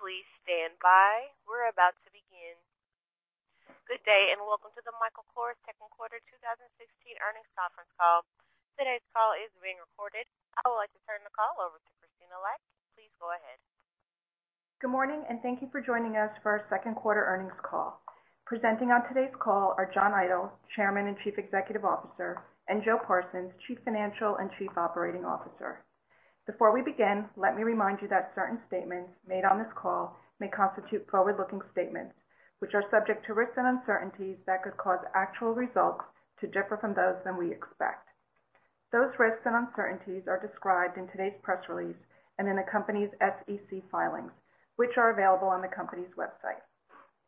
Please stand by. We're about to begin. Good day, welcome to the Michael Kors second quarter 2016 earnings conference call. Today's call is being recorded. I would like to turn the call over to Christina Lyke. Please go ahead. Good morning, thank you for joining us for our second quarter earnings call. Presenting on today's call are John Idol, Chairman and Chief Executive Officer, and Joe Parsons, Chief Financial and Chief Operating Officer. Before we begin, let me remind you that certain statements made on this call may constitute forward-looking statements, which are subject to risks and uncertainties that could cause actual results to differ from those than we expect. Those risks and uncertainties are described in today's press release and in the company's SEC filings, which are available on the company's website.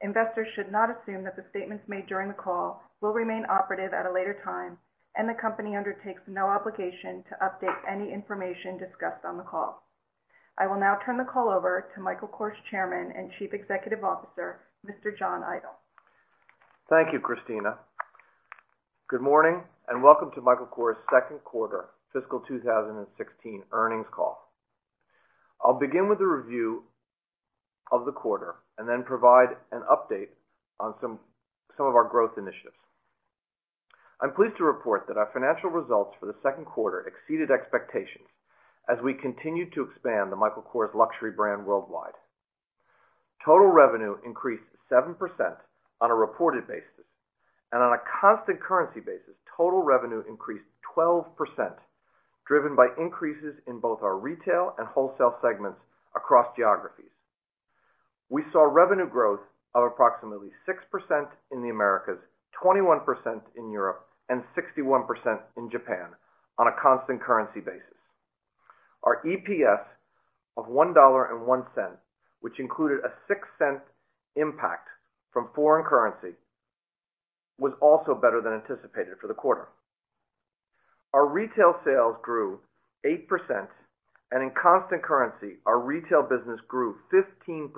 Investors should not assume that the statements made during the call will remain operative at a later time, the company undertakes no obligation to update any information discussed on the call. I will now turn the call over to Michael Kors Chairman and Chief Executive Officer, Mr. John Idol. Thank you, Christina. Good morning, welcome to Michael Kors' second quarter fiscal 2016 earnings call. I'll begin with a review of the quarter, then provide an update on some of our growth initiatives. I'm pleased to report that our financial results for the second quarter exceeded expectations as we continue to expand the Michael Kors luxury brand worldwide. Total revenue increased 7% on a reported basis. On a constant currency basis, total revenue increased 12%, driven by increases in both our retail and wholesale segments across geographies. We saw revenue growth of approximately 6% in the Americas, 21% in Europe, and 61% in Japan on a constant currency basis. Our EPS of $1.01, which included a $0.06 impact from foreign currency, was also better than anticipated for the quarter. Our retail sales grew 8%. In constant currency, our retail business grew 15%,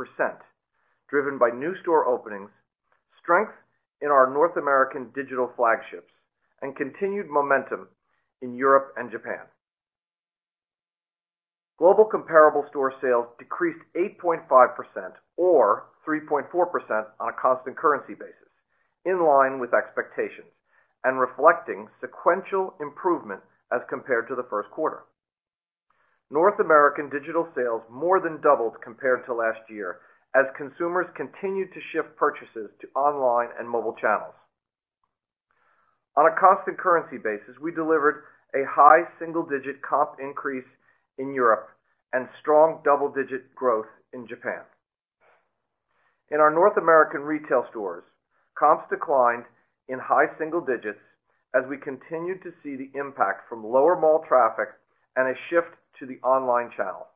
driven by new store openings, strength in our North American digital flagships, and continued momentum in Europe and Japan. Global comparable store sales decreased 8.5%, or 3.4% on a constant currency basis, in line with expectations and reflecting sequential improvement as compared to the first quarter. North American digital sales more than doubled compared to last year as consumers continued to shift purchases to online and mobile channels. On a constant currency basis, we delivered a high single-digit comp increase in Europe and strong double-digit growth in Japan. In our North American retail stores, comps declined in high single digits as we continued to see the impact from lower mall traffic and a shift to the online channel.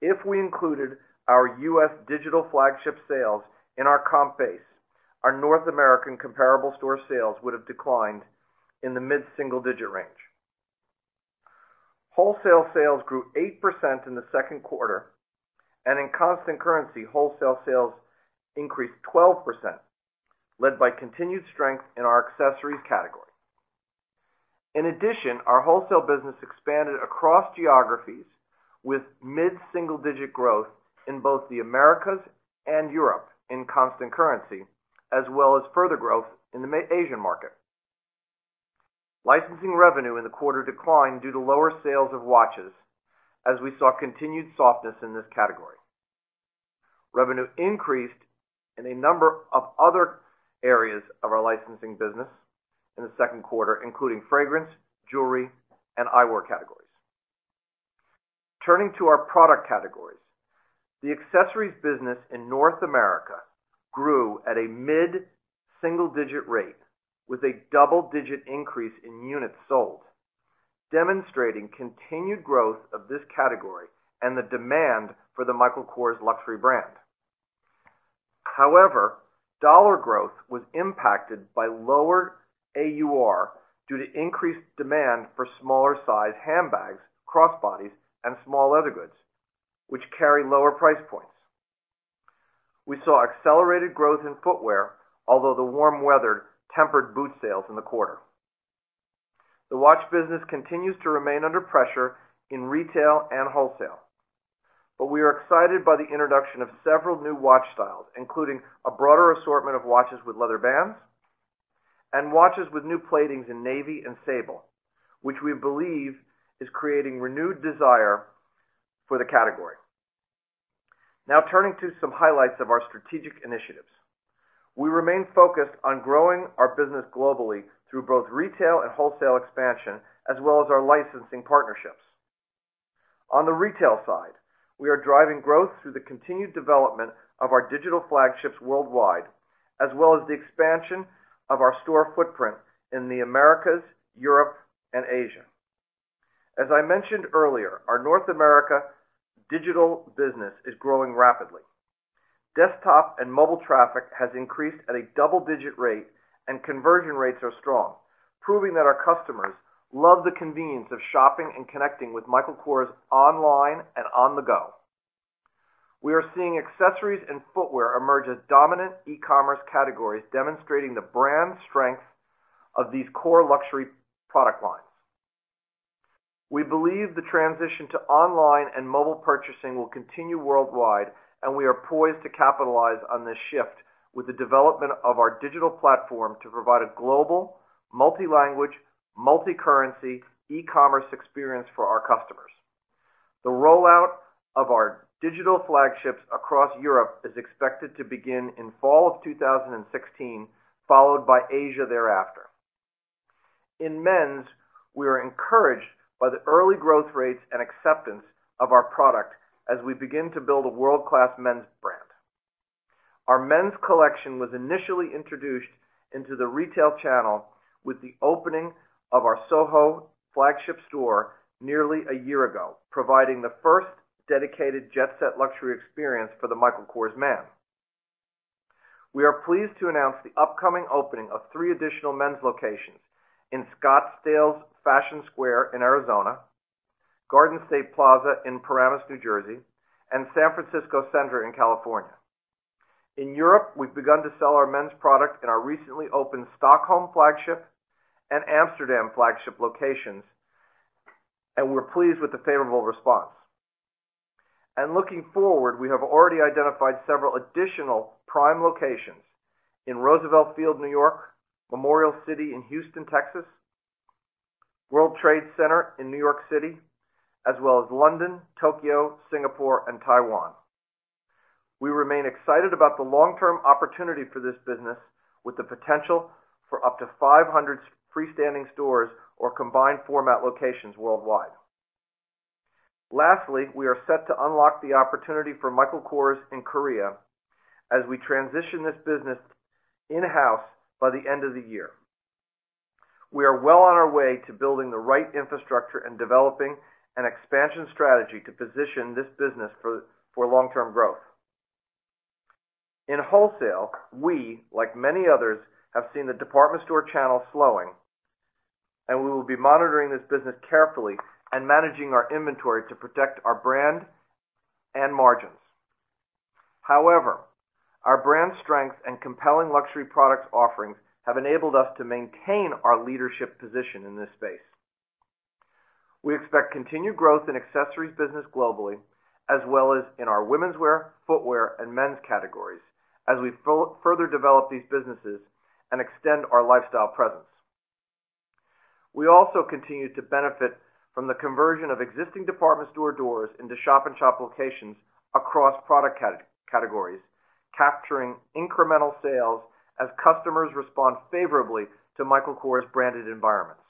If we included our U.S. digital flagship sales in our comp base, our North American comparable store sales would have declined in the mid-single-digit range. Wholesale sales grew 8% in the second quarter. In constant currency, wholesale sales increased 12%, led by continued strength in our accessories category. In addition, our wholesale business expanded across geographies with mid-single-digit growth in both the Americas and Europe in constant currency, as well as further growth in the Asian market. Licensing revenue in the quarter declined due to lower sales of watches, as we saw continued softness in this category. Revenue increased in a number of other areas of our licensing business in the second quarter, including fragrance, jewelry, and eyewear categories. Turning to our product categories. The accessories business in North America grew at a mid-single-digit rate with a double-digit increase in units sold, demonstrating continued growth of this category and the demand for the Michael Kors luxury brand. However, $ growth was impacted by lower AUR due to increased demand for smaller size handbags, crossbodies, and small leather goods, which carry lower price points. We saw accelerated growth in footwear, although the warm weather tempered boot sales in the quarter. The watch business continues to remain under pressure in retail and wholesale, but we are excited by the introduction of several new watch styles, including a broader assortment of watches with leather bands and watches with new platings in navy and sable, which we believe is creating renewed desire for the category. Turning to some highlights of our strategic initiatives. We remain focused on growing our business globally through both retail and wholesale expansion, as well as our licensing partnerships. On the retail side, we are driving growth through the continued development of our digital flagships worldwide, as well as the expansion of our store footprint in the Americas, Europe, and Asia. As I mentioned earlier, our North America digital business is growing rapidly. Desktop and mobile traffic has increased at a double-digit rate, and conversion rates are strong, proving that our customers love the convenience of shopping and connecting with Michael Kors online and on the go. We are seeing accessories and footwear emerge as dominant e-commerce categories demonstrating the brand strength of these core luxury product lines. We believe the transition to online and mobile purchasing will continue worldwide. We are poised to capitalize on this shift with the development of our digital platform to provide a global multi-language, multi-currency, e-commerce experience for our customers. The rollout of our digital flagships across Europe is expected to begin in fall of 2016, followed by Asia thereafter. In men's, we are encouraged by the early growth rates and acceptance of our product as we begin to build a world-class men's brand. Our men's collection was initially introduced into the retail channel with the opening of our Soho flagship store nearly a year ago, providing the first dedicated Jet Set luxury experience for the Michael Kors man. We are pleased to announce the upcoming opening of three additional men's locations in Scottsdale Fashion Square in Arizona, Garden State Plaza in Paramus, New Jersey, and San Francisco Center in California. In Europe, we've begun to sell our men's product in our recently opened Stockholm flagship and Amsterdam flagship locations, and we're pleased with the favorable response. Looking forward, we have already identified several additional prime locations in Roosevelt Field, N.Y., Memorial City in Houston, Texas, World Trade Center in N.Y.C., as well as London, Tokyo, Singapore, and Taiwan. We remain excited about the long-term opportunity for this business with the potential for up to 500 freestanding stores or combined format locations worldwide. Lastly, we are set to unlock the opportunity for Michael Kors in Korea as we transition this business in-house by the end of the year. We are well on our way to building the right infrastructure and developing an expansion strategy to position this business for long-term growth. In wholesale, we, like many others, have seen the department store channel slowing, and we will be monitoring this business carefully and managing our inventory to protect our brand and margins. However, our brand strength and compelling luxury product offerings have enabled us to maintain our leadership position in this space. We expect continued growth in accessories business globally, as well as in our womenswear, footwear, and men's categories as we further develop these businesses and extend our lifestyle presence. We also continue to benefit from the conversion of existing department store doors into shop-in-shop locations across product categories, capturing incremental sales as customers respond favorably to Michael Kors-branded environments.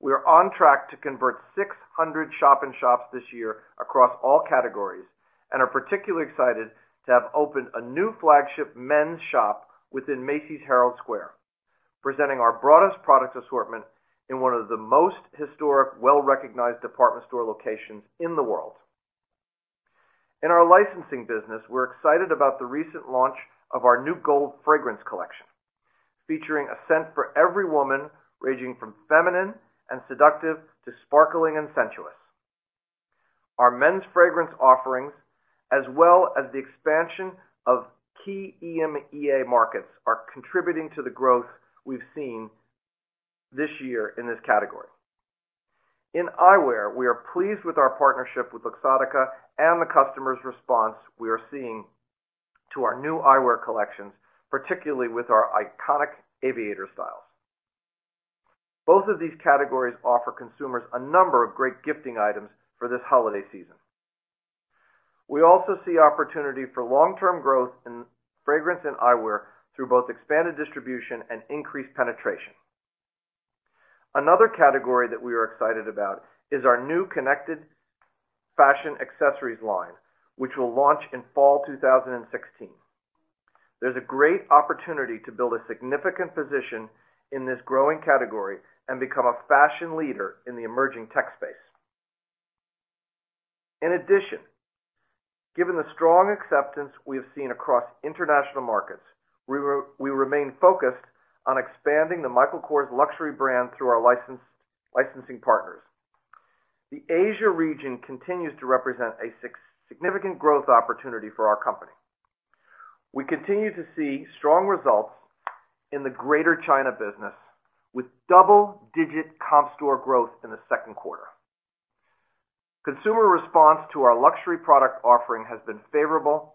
We are on track to convert 600 shop-in-shops this year across all categories and are particularly excited to have opened a new flagship men's shop within Macy's Herald Square, presenting our broadest product assortment in one of the most historic, well-recognized department store locations in the world. In our licensing business, we're excited about the recent launch of our new Gold fragrance collection, featuring a scent for every woman, ranging from feminine and seductive to sparkling and sensuous. Our men's fragrance offerings, as well as the expansion of key EMEA markets, are contributing to the growth we've seen this year in this category. In eyewear, we are pleased with our partnership with Luxottica and the customer's response we are seeing to our new eyewear collections, particularly with our iconic aviator styles. Both of these categories offer consumers a number of great gifting items for this holiday season. We also see opportunity for long-term growth in fragrance and eyewear through both expanded distribution and increased penetration. Another category that we are excited about is our new connected fashion accessories line, which will launch in fall 2016. There's a great opportunity to build a significant position in this growing category and become a fashion leader in the emerging tech space. In addition, given the strong acceptance we have seen across international markets, we remain focused on expanding the Michael Kors luxury brand through our licensing partners. The Asia region continues to represent a significant growth opportunity for our company. We continue to see strong results in the Greater China business, with double-digit comp store growth in the second quarter. Consumer response to our luxury product offering has been favorable,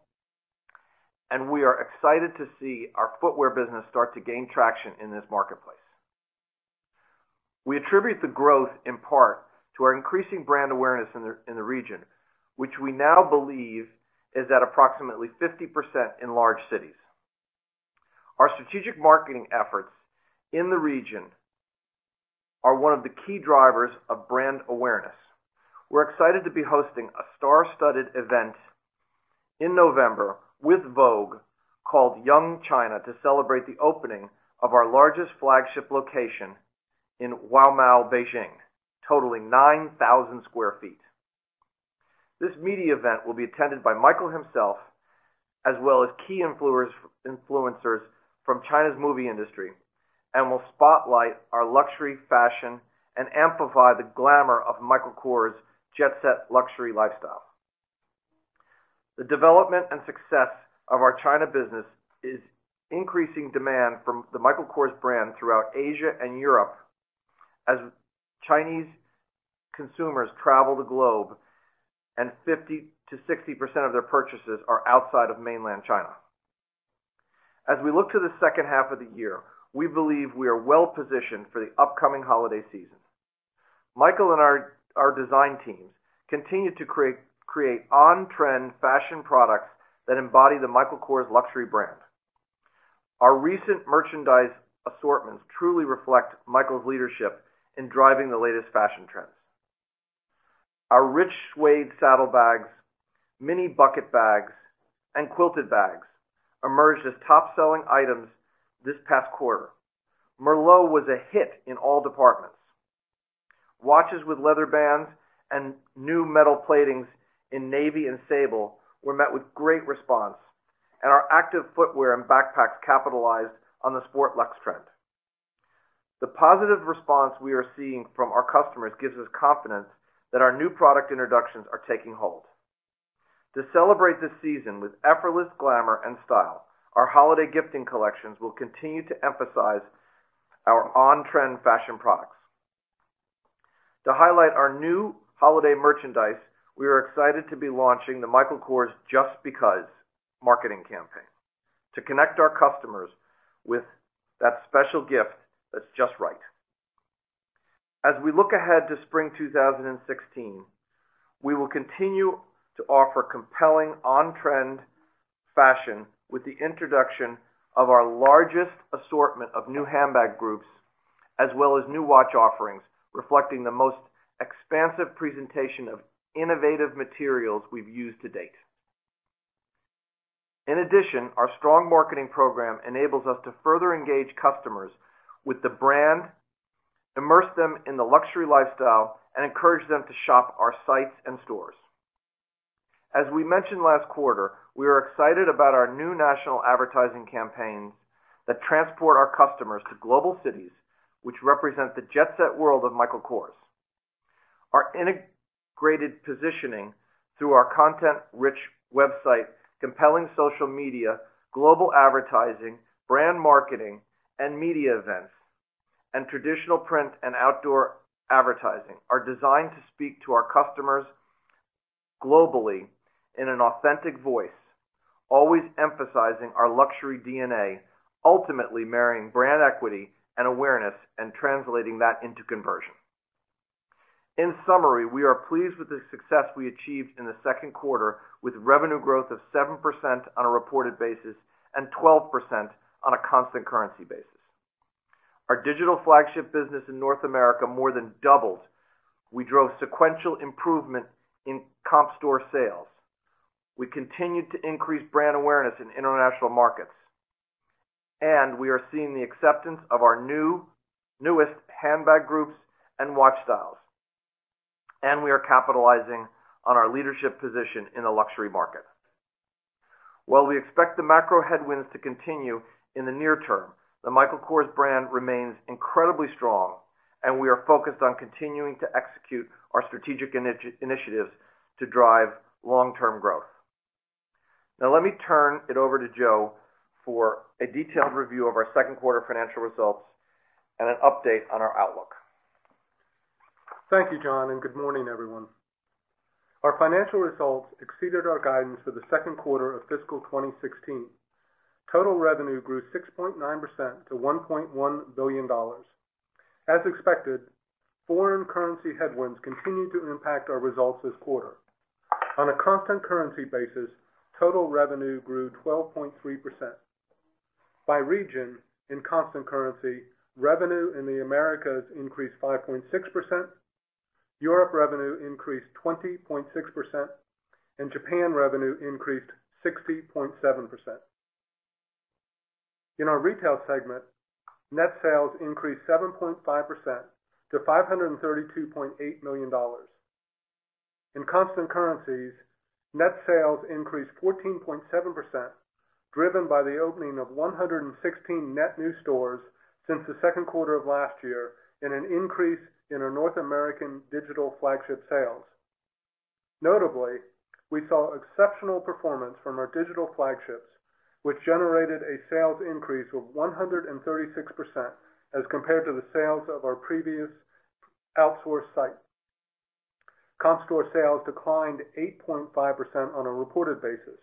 and we are excited to see our footwear business start to gain traction in this marketplace. We attribute the growth in part to our increasing brand awareness in the region, which we now believe is at approximately 50% in large cities. Our strategic marketing efforts in the region are one of the key drivers of brand awareness. We're excited to be hosting a star-studded event in November with Vogue called Young China to celebrate the opening of our largest flagship location in Guomao, Beijing, totaling 9,000 sq ft. This media event will be attended by Michael himself as well as key influencers from China's movie industry, and will spotlight our luxury fashion and amplify the glamour of Michael Kors' Jet Set luxury lifestyle. The development and success of our China business is increasing demand from the Michael Kors brand throughout Asia and Europe as Chinese consumers travel the globe, and 50%-60% of their purchases are outside of mainland China. As we look to the second half of the year, we believe we are well-positioned for the upcoming holiday season. Michael and our design teams continue to create on-trend fashion products that embody the Michael Kors luxury brand. Our recent merchandise assortments truly reflect Michael's leadership in driving the latest fashion trends. Our rich suede saddlebags, mini bucket bags, and quilted bags emerged as top-selling items this past quarter. Merlot was a hit in all departments. Watches with leather bands and new metal platings in navy and sable were met with great response, and our active footwear and backpacks capitalized on the sport luxe trend. The positive response we are seeing from our customers gives us confidence that our new product introductions are taking hold. To celebrate this season with effortless glamour and style, our holiday gifting collections will continue to emphasize our on-trend fashion products. To highlight our new holiday merchandise, we are excited to be launching the Michael Kors Just Because marketing campaign to connect our customers with that special gift that's just right. As we look ahead to spring 2016, we will continue to offer compelling on-trend fashion with the introduction of our largest assortment of new handbag groups, as well as new watch offerings reflecting the most expansive presentation of innovative materials we've used to date. In addition, our strong marketing program enables us to further engage customers with the brand, immerse them in the luxury lifestyle, and encourage them to shop our sites and stores. As we mentioned last quarter, we are excited about our new national advertising campaigns that transport our customers to global cities, which represent the Jet Set world of Michael Kors. Our integrated positioning through our content-rich website, compelling social media, global advertising, brand marketing and media events, and traditional print and outdoor advertising are designed to speak to our customers globally in an authentic voice, always emphasizing our luxury DNA, ultimately marrying brand equity and awareness and translating that into conversion. In summary, we are pleased with the success we achieved in the second quarter, with revenue growth of 7% on a reported basis and 12% on a constant currency basis. Our digital flagship business in North America more than doubled. We drove sequential improvement in comp store sales. We continued to increase brand awareness in international markets, and we are seeing the acceptance of our newest handbag groups and watch styles, and we are capitalizing on our leadership position in the luxury market. While we expect the macro headwinds to continue in the near term, the Michael Kors brand remains incredibly strong, and we are focused on continuing to execute our strategic initiatives to drive long-term growth. Now let me turn it over to Joe for a detailed review of our second quarter financial results and an update on our outlook. Thank you, John. Good morning, everyone. Our financial results exceeded our guidance for the second quarter of fiscal 2016. Total revenue grew 6.9% to $1.1 billion. As expected, foreign currency headwinds continued to impact our results this quarter. On a constant currency basis, total revenue grew 12.3%. By region in constant currency, revenue in the Americas increased 5.6%, Europe revenue increased 20.6%, and Japan revenue increased 60.7%. In our retail segment, net sales increased 7.5% to $532.8 million. In constant currencies, net sales increased 14.7%, driven by the opening of 116 net new stores since the second quarter of last year and an increase in our North American digital flagship sales. Notably, we saw exceptional performance from our digital flagships, which generated a sales increase of 136% as compared to the sales of our previous outsourced site. Comp store sales declined 8.5% on a reported basis.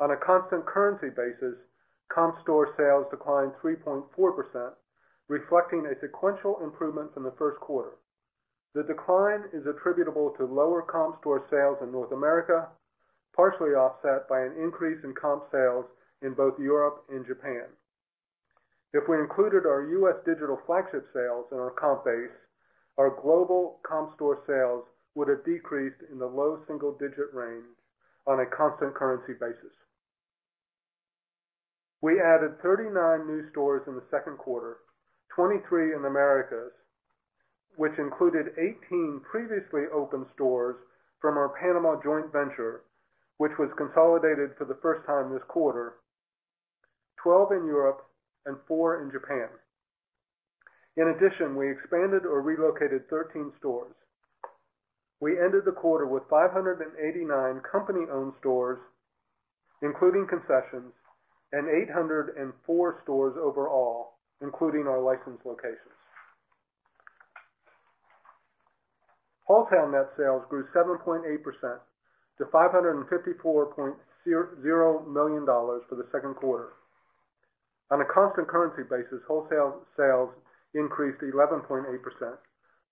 On a constant currency basis, comp store sales declined 3.4%, reflecting a sequential improvement from the first quarter. The decline is attributable to lower comp store sales in North America, partially offset by an increase in comp sales in both Europe and Japan. If we included our U.S. digital flagship sales in our comp base, our global comp store sales would have decreased in the low single-digit range on a constant currency basis. We added 39 new stores in the second quarter, 23 in Americas, which included 18 previously open stores from our Panama joint venture, which was consolidated for the first time this quarter, 12 in Europe, and four in Japan. In addition, we expanded or relocated 13 stores. We ended the quarter with 589 company-owned stores, including concessions, and 804 stores overall, including our licensed locations. Wholesale net sales grew 7.8% to $554.0 million for the second quarter. On a constant currency basis, wholesale sales increased 11.8%,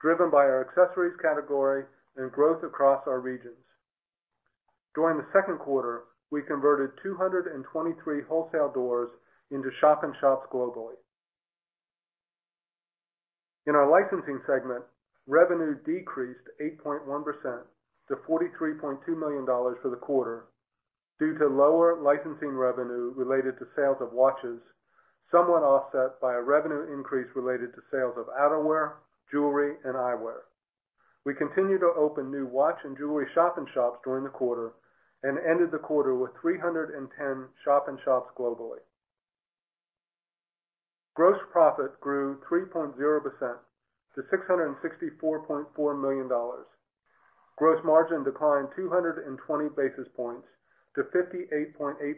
driven by our accessories category and growth across our regions. During the second quarter, we converted 223 wholesale doors into shop-in-shops globally. In our licensing segment, revenue decreased 8.1% to $43.2 million for the quarter due to lower licensing revenue related to sales of watches, somewhat offset by a revenue increase related to sales of outerwear, jewelry, and eyewear. We continue to open new watch and jewelry shop-in-shops during the quarter and ended the quarter with 310 shop-in-shops globally. Gross profit grew 3.0% to $664.4 million. Gross margin declined 220 basis points to 58.8%,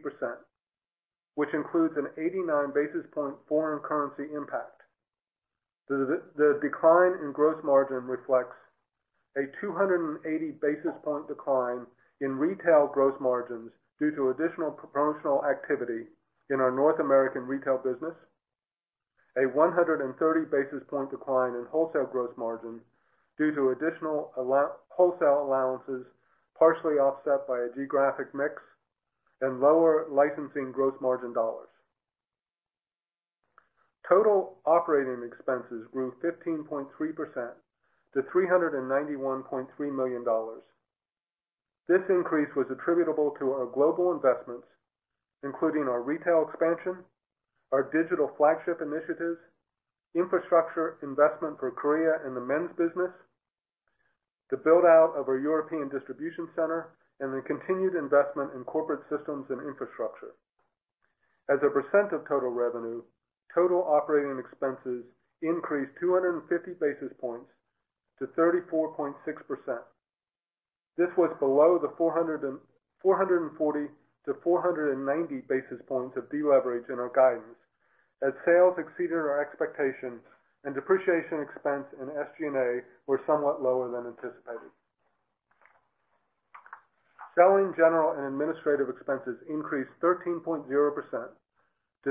which includes an 89 basis point foreign currency impact. The decline in gross margin reflects a 280 basis point decline in retail gross margins due to additional promotional activity in our North American retail business, a 130 basis point decline in wholesale gross margin due to additional wholesale allowances, partially offset by a geographic mix and lower licensing gross margin dollars. Total operating expenses grew 15.3% to $391.3 million. This increase was attributable to our global investments, including our retail expansion, our digital flagship initiatives, infrastructure investment for Korea and the men's business, the build-out of our European distribution center, and the continued investment in corporate systems and infrastructure. As a percent of total revenue, total operating expenses increased 250 basis points to 34.6%. This was below the 440 to 490 basis points of deleverage in our guidance as sales exceeded our expectations and depreciation expense and SG&A were somewhat lower than anticipated. Selling, general, and administrative expenses increased 13.0% to $345.2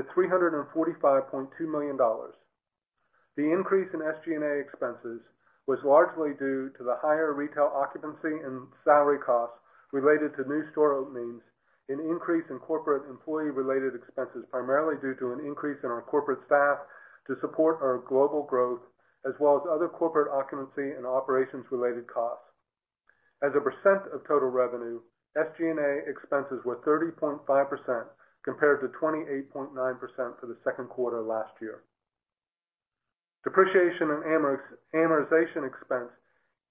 million. The increase in SG&A expenses was largely due to the higher retail occupancy and salary costs related to new store openings, an increase in corporate employee-related expenses primarily due to an increase in our corporate staff to support our global growth, as well as other corporate occupancy and operations-related costs. As a percent of total revenue, SG&A expenses were 30.5% compared to 28.9% for the second quarter last year. Depreciation and amortization expense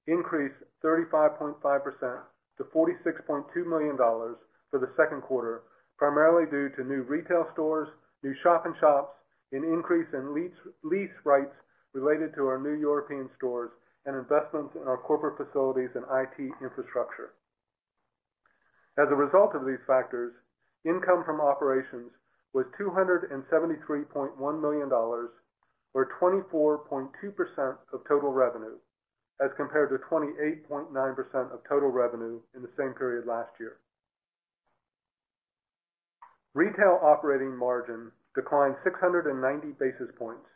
increased 35.5% to $46.2 million for the second quarter, primarily due to new retail stores, new shop-in-shops, an increase in lease rights related to our new European stores, and investments in our corporate facilities and IT infrastructure. As a result of these factors, income from operations was $273.1 million, or 24.2% of total revenue as compared to 28.9% of total revenue in the same period last year. Retail operating margin declined 690 basis points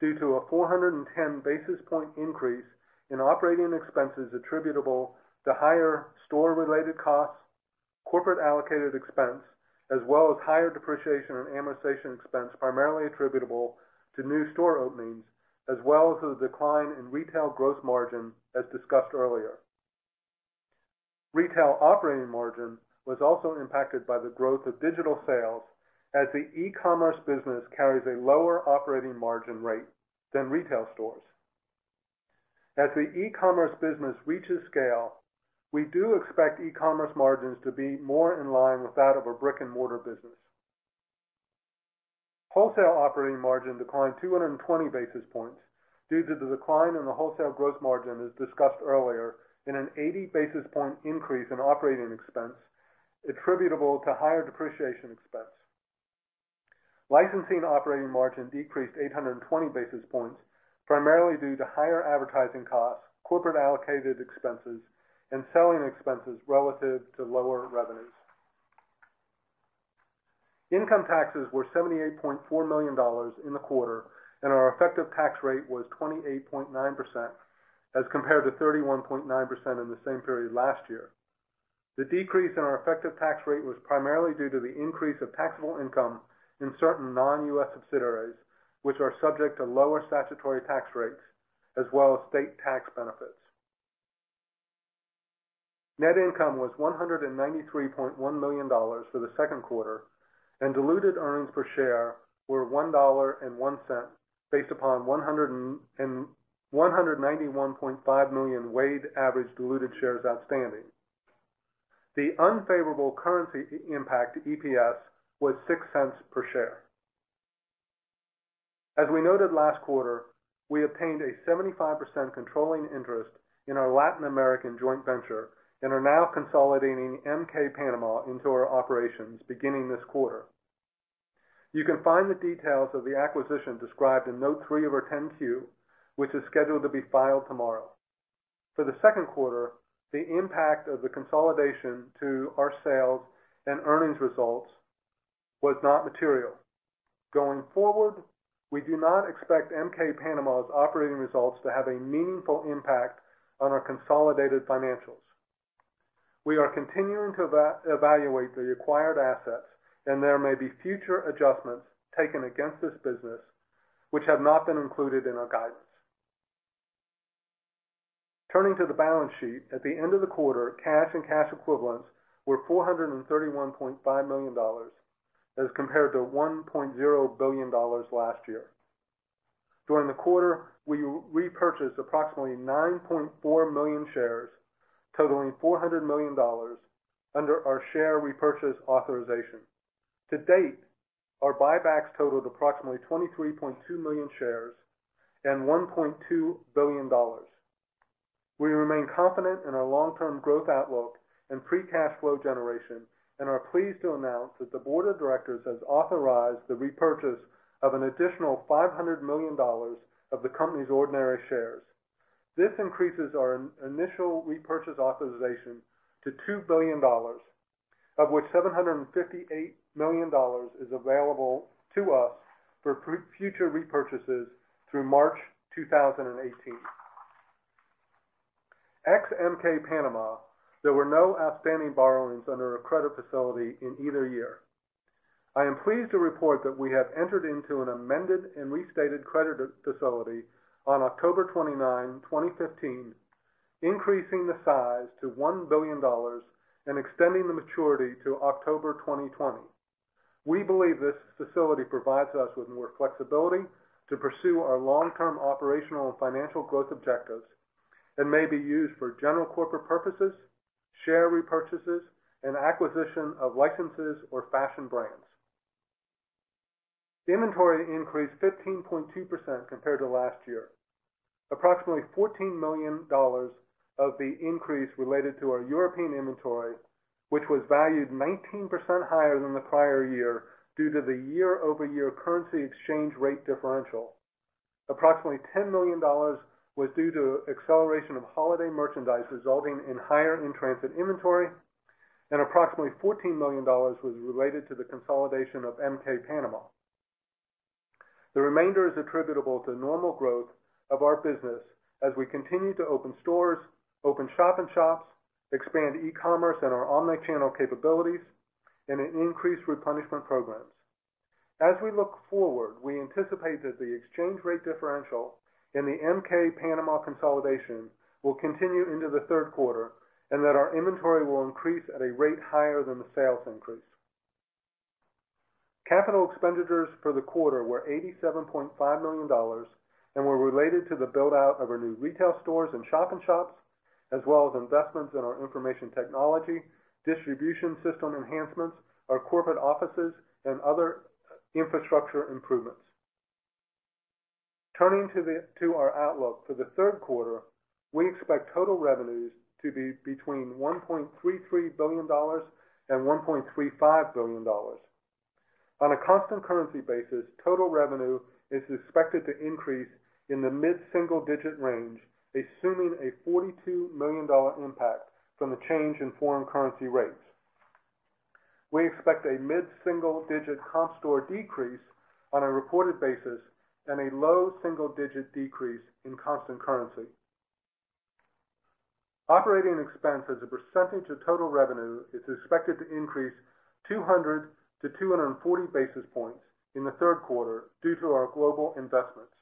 due to a 410 basis point increase in operating expenses attributable to higher store-related costs, corporate allocated expense, as well as higher depreciation and amortization expense primarily attributable to new store openings, as well as the decline in retail gross margin as discussed earlier. Retail operating margin was also impacted by the growth of digital sales as the e-commerce business carries a lower operating margin rate than retail stores. As the e-commerce business reaches scale, we do expect e-commerce margins to be more in line with that of a brick-and-mortar business. Wholesale operating margin declined 220 basis points due to the decline in the wholesale gross margin, as discussed earlier, and an 80 basis point increase in operating expense attributable to higher depreciation expense. Licensing operating margin decreased 820 basis points, primarily due to higher advertising costs, corporate allocated expenses, and selling expenses relative to lower revenues. Income taxes were $78.4 million in the quarter, and our effective tax rate was 28.9% as compared to 31.9% in the same period last year. The decrease in our effective tax rate was primarily due to the increase of taxable income in certain non-U.S. subsidiaries, which are subject to lower statutory tax rates, as well as state tax benefits. Net income was $193.1 million for the second quarter, and diluted earnings per share were $1.01, based upon 191.5 million weighted average diluted shares outstanding. The unfavorable currency impact to EPS was $0.06 per share. As we noted last quarter, we obtained a 75% controlling interest in our Latin American joint venture and are now consolidating MK Panama into our operations beginning this quarter. You can find the details of the acquisition described in Note 3 of our 10-Q, which is scheduled to be filed tomorrow. For the second quarter, the impact of the consolidation to our sales and earnings results was not material. Going forward, we do not expect MK Panama's operating results to have a meaningful impact on our consolidated financials. We are continuing to evaluate the acquired assets, and there may be future adjustments taken against this business, which have not been included in our guidance. Turning to the balance sheet. At the end of the quarter, cash and cash equivalents were $431.5 million as compared to $1.0 billion last year. During the quarter, we repurchased approximately 9.4 million shares totaling $400 million under our share repurchase authorization. To date, our buybacks totaled approximately 23.2 million shares and $1.2 billion. We remain confident in our long-term growth outlook and free cash flow generation and are pleased to announce that the board of directors has authorized the repurchase of an additional $500 million of the company's ordinary shares. This increases our initial repurchase authorization to $2 billion, of which $758 million is available to us for future repurchases through March 2018. Ex MK Panama, there were no outstanding borrowings under our credit facility in either year. I am pleased to report that we have entered into an amended and restated credit facility on October 29, 2015, increasing the size to $1 billion and extending the maturity to October 2020. We believe this facility provides us with more flexibility to pursue our long-term operational and financial growth objectives and may be used for general corporate purposes, share repurchases, and acquisition of licenses or fashion brands. Inventory increased 15.2% compared to last year. Approximately $14 million of the increase related to our European inventory, which was valued 19% higher than the prior year due to the year-over-year currency exchange rate differential. Approximately $10 million was due to acceleration of holiday merchandise, resulting in higher in-transit inventory, and approximately $14 million was related to the consolidation of MK Panama. The remainder is attributable to normal growth of our business as we continue to open stores, open shop-in-shops, expand e-commerce and our omni-channel capabilities, and increase replenishment programs. As we look forward, we anticipate that the exchange rate differential and the MK Panama consolidation will continue into the third quarter, and that our inventory will increase at a rate higher than the sales increase. Capital expenditures for the quarter were $87.5 million and were related to the build-out of our new retail stores and shop-in-shops, as well as investments in our information technology, distribution system enhancements, our corporate offices, and other infrastructure improvements. Turning to our outlook for the third quarter, we expect total revenues to be between $1.33 billion and $1.35 billion. On a constant currency basis, total revenue is expected to increase in the mid-single-digit range, assuming a $42 million impact from the change in foreign currency rates. We expect a mid-single-digit comp store decrease on a reported basis and a low single-digit decrease in constant currency. Operating expense as a percentage of total revenue is expected to increase 200 to 240 basis points in the third quarter due to our global investments.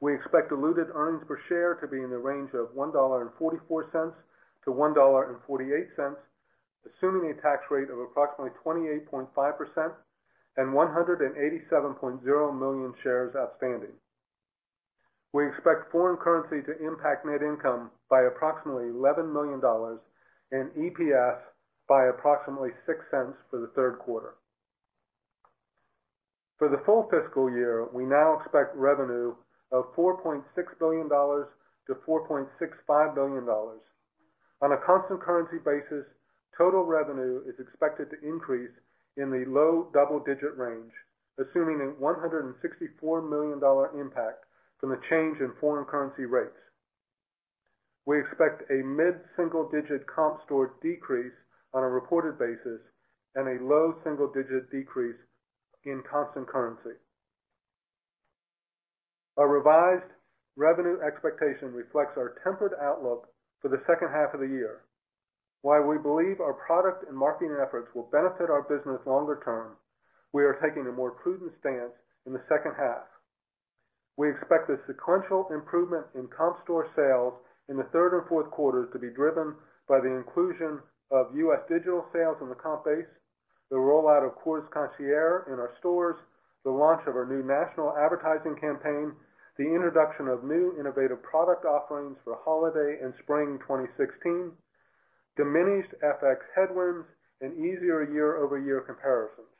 We expect diluted earnings per share to be in the range of $1.44-$1.48, assuming a tax rate of approximately 28.5% and 187.0 million shares outstanding. We expect foreign currency to impact net income by approximately $11 million and EPS by approximately $0.06 for the third quarter. For the full fiscal year, we now expect revenue of $4.6 billion-$4.65 billion. On a constant currency basis, total revenue is expected to increase in the low double-digit range, assuming a $164 million impact from the change in foreign currency rates. We expect a mid-single-digit comp store decrease on a reported basis and a low single-digit decrease in constant currency. Our revised revenue expectation reflects our tempered outlook for the second half of the year. While we believe our product and marketing efforts will benefit our business longer term, we are taking a more prudent stance in the second half. We expect the sequential improvement in comp store sales in the third or fourth quarters to be driven by the inclusion of U.S. digital sales in the comp base, the rollout of Kors Concierge in our stores, the launch of our new national advertising campaign, the introduction of new innovative product offerings for holiday and spring 2016, diminished FX headwinds, and easier year-over-year comparisons.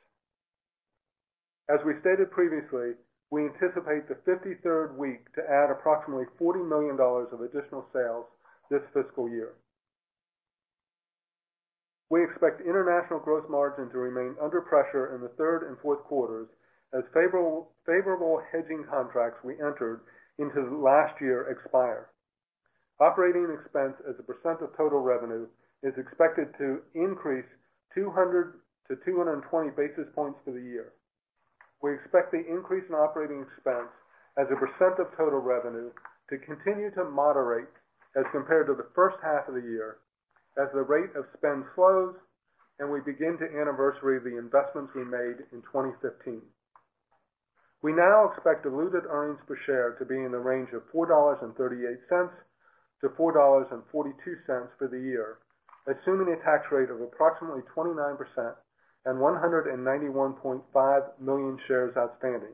As we stated previously, we anticipate the 53rd week to add approximately $40 million of additional sales this fiscal year. We expect international gross margin to remain under pressure in the third and fourth quarters as favorable hedging contracts we entered into last year expire. Operating expense as a percent of total revenue is expected to increase 200 to 220 basis points for the year. We expect the increase in operating expense as a percent of total revenue to continue to moderate as compared to the first half of the year as the rate of spend slows and we begin to anniversary the investments we made in 2015. We now expect diluted earnings per share to be in the range of $4.38-$4.42 for the year, assuming a tax rate of approximately 29% and 191.5 million shares outstanding.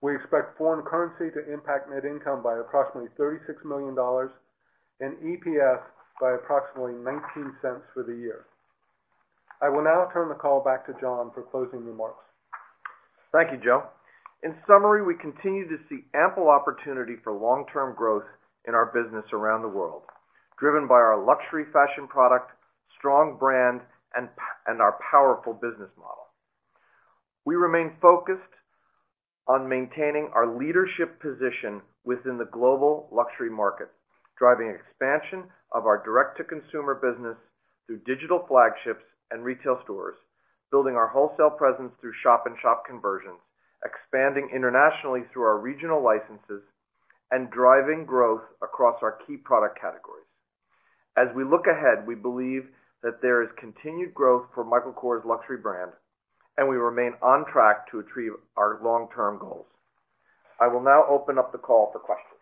We expect foreign currency to impact net income by approximately $36 million and EPS by approximately $0.19 for the year. I will now turn the call back to John for closing remarks. Thank you, Joe. In summary, we continue to see ample opportunity for long-term growth in our business around the world, driven by our luxury fashion product, strong brand, and our powerful business model. We remain focused on maintaining our leadership position within the global luxury market, driving expansion of our direct-to-consumer business through digital flagships and retail stores, building our wholesale presence through shop-in-shop conversions, expanding internationally through our regional licenses, and driving growth across our key product categories. As we look ahead, we believe that there is continued growth for Michael Kors' luxury brand, and we remain on track to achieve our long-term goals. I will now open up the call for questions.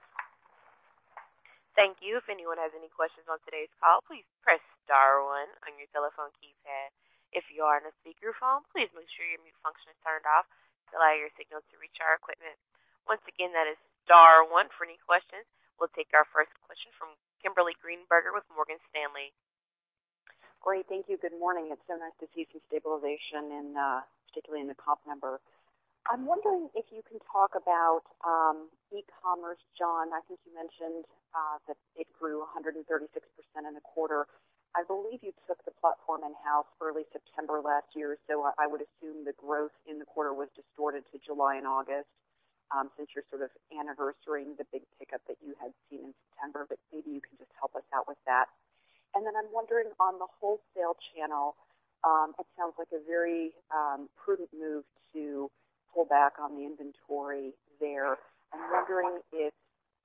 Thank you. If anyone has any questions on today's call, please press star one on your telephone keypad. If you are on a speakerphone, please make sure your mute function is turned off to allow your signal to reach our equipment. Once again, that is star one for any questions. We'll take our first question from Kimberly Greenberger with Morgan Stanley. Great. Thank you. Good morning. It's so nice to see some stabilization, particularly in the comp number. I'm wondering if you can talk about e-commerce, John. I think you mentioned that it grew 136% in the quarter. I believe you took the platform in-house early September last year, so I would assume the growth in the quarter was distorted to July and August since you're sort of anniversarying the big pickup that you had seen in September. Maybe you can just help us out with that. I'm wondering on the wholesale channel, it sounds like a very prudent move to pull back on the inventory there. I'm wondering if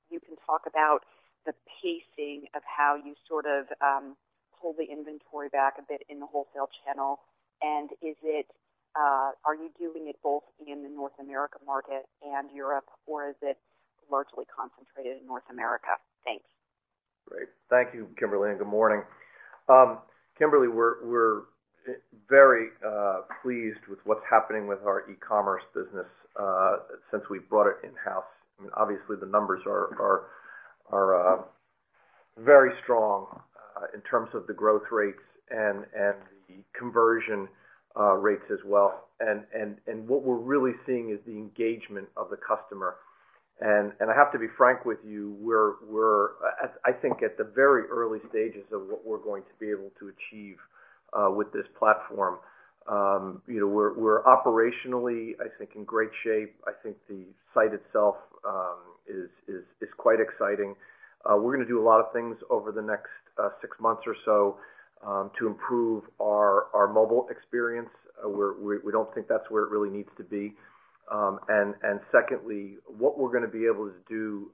you can talk about the pacing of how you sort of pull the inventory back a bit in the wholesale channel, and are you doing it both in the North America market and Europe, or is it largely concentrated in North America? Thanks. Great. Thank you, Kimberly, and good morning. Kimberly, we're very pleased with what's happening with our e-commerce business since we brought it in-house. Obviously, the numbers are very strong in terms of the growth rates and the conversion rates as well. What we're really seeing is the engagement of the customer. I have to be frank with you, we're I think at the very early stages of what we're going to be able to achieve with this platform. We're operationally, I think, in great shape. I think the site itself is quite exciting. We're going to do a lot of things over the next six months or so to improve our mobile experience. We don't think that's where it really needs to be. Secondly, what we're going to be able to do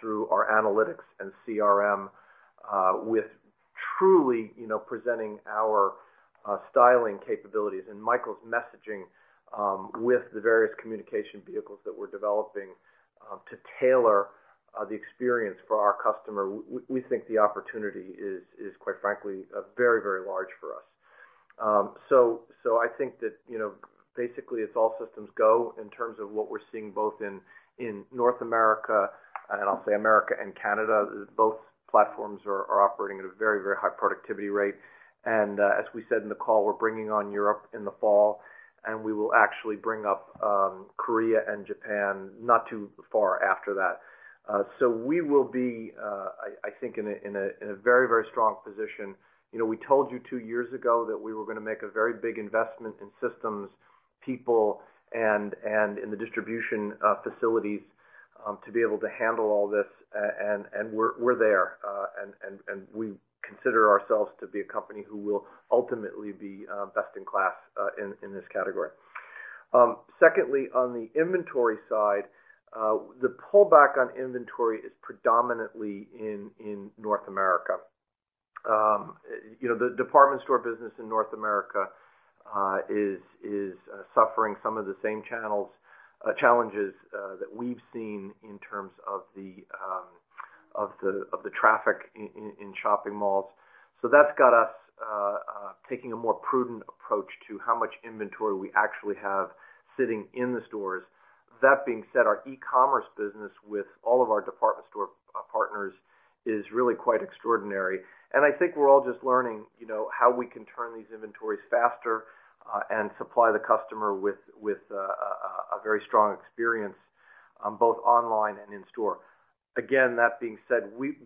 through our analytics and CRM with truly presenting our styling capabilities and Michael's messaging with the various communication vehicles that we're developing to tailor the experience for our customer. We think the opportunity is, quite frankly, very large for us. I think that basically it's all systems go in terms of what we're seeing both in North America, and I'll say America and Canada. Both platforms are operating at a very high productivity rate. As we said in the call, we're bringing on Europe in the fall, and we will actually bring up Korea and Japan not too far after that. We will be, I think, in a very strong position. We told you two years ago that we were going to make a very big investment in systems, people, and in the distribution facilities to be able to handle all this, and we're there. We consider ourselves to be a company who will ultimately be best in class in this category. Secondly, on the inventory side, the pullback on inventory is predominantly in North America. The department store business in North America is suffering some of the same challenges that we've seen in terms of the traffic in shopping malls. That's got us taking a more prudent approach to how much inventory we actually have sitting in the stores. That being said, our e-commerce business with all of our department store partners is really quite extraordinary. I think we're all just learning how we can turn these inventories faster and supply the customer with a very strong experience both online and in store. Again, that being said, we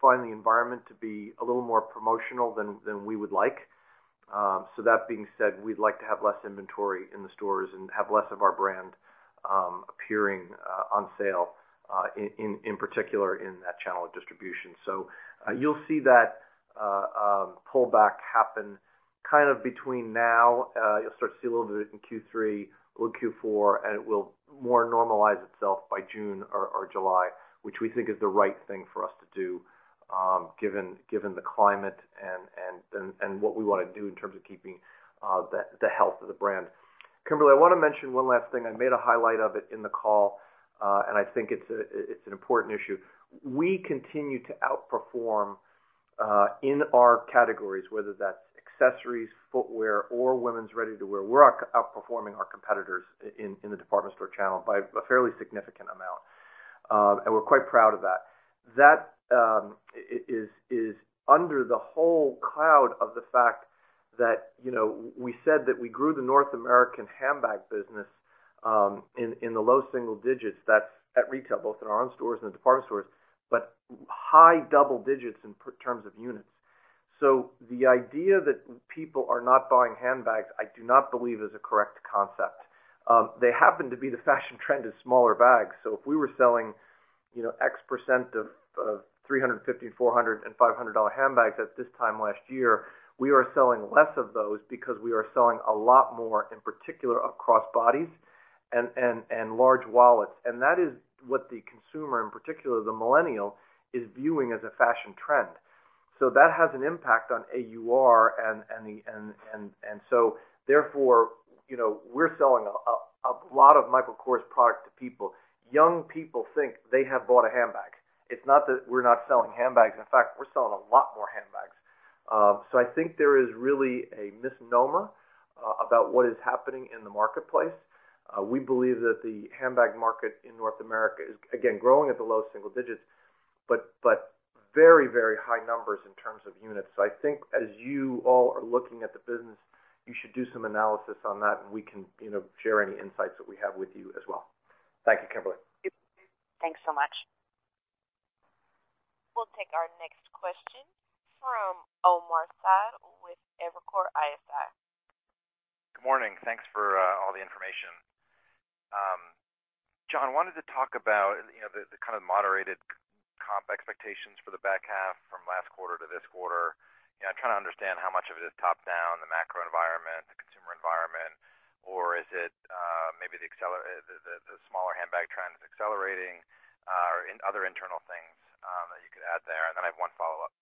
find the environment to be a little more promotional than we would like. That being said, we'd like to have less inventory in the stores and have less of our brand appearing on sale, in particular in that channel of distribution. You'll see that pullback happen between now. You'll start to see a little bit in Q3 or Q4, and it will more normalize itself by June or July, which we think is the right thing for us to do given the climate and what we want to do in terms of keeping the health of the brand. Kimberly, I want to mention one last thing. I made a highlight of it in the call, I think it's an important issue. We continue to outperform in our categories, whether that's accessories, footwear, or women's ready-to-wear. We're outperforming our competitors in the department store channel by a fairly significant amount, and we're quite proud of that. That is under the whole cloud of the fact that we said that we grew the North American handbag business in the low single digits. That's at retail, both in our own stores and the department stores, but high double digits in terms of units. The idea that people are not buying handbags, I do not believe is a correct concept. They happen to be the fashion trend of smaller bags. If we were selling X percent of $350, $400, and $500 handbags at this time last year, we are selling less of those because we are selling a lot more, in particular, of crossbodies and large wallets. That is what the consumer, in particular the millennial, is viewing as a fashion trend. That has an impact on AUR. Therefore, we're selling a lot of Michael Kors product to people. Young people think they have bought a handbag. It's not that we're not selling handbags. In fact, we're selling a lot more handbags. I think there is really a misnomer about what is happening in the marketplace. We believe that the handbag market in North America is, again, growing at the low single digits, but very high numbers in terms of units. I think as you all are looking at the business, you should do some analysis on that and we can share any insights that we have with you as well. Thank you, Kimberly. Thanks so much. We'll take our next question from Omar Saad with Evercore ISI. Good morning. Thanks for all the information. John, wanted to talk about the kind of moderated comp expectations for the back half from last quarter to this quarter. I'm trying to understand how much of it is top-down, the macro environment, the consumer environment, or is it maybe the smaller handbag trend is accelerating or other internal things that you could add there. I have one follow-up.